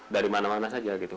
dari mana mana saja gitu